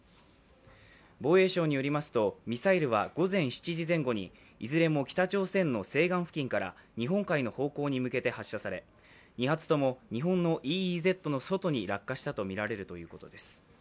防衛省によりますとミサイルは午前７時前後にいずれも北朝鮮の西岸付近から日本海の方向に向けて発射され２発とも日本のＥＥＺの外に落下したとみられるということです。